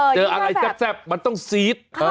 เจออะไรแซ่บมันต้องซี๊ด